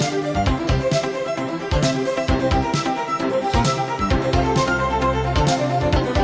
hẹn gặp lại